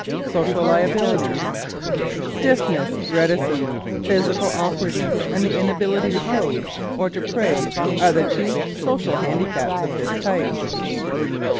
Social Liabilities ¶ Stiffness, reticence, physical awkwardness and the inability to pose or to praise are the chief social handicaps of this type.